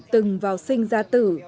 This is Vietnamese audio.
từng vào sinh ra tử